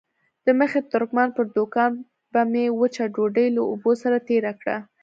د مخي ترکمن پر دوکان به مې وچه ډوډۍ له اوبو سره تېره کړه.